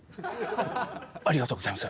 ありがとうございます。